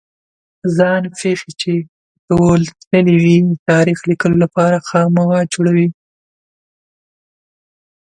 ځان پېښې چې په تول تللې وي د تاریخ لیکلو لپاره خام مواد جوړوي.